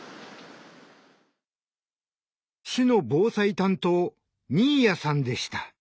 市の防災担当新谷さんでした。